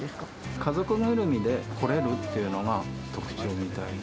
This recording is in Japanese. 家族ぐるみで来れるっていうのが特徴みたいで。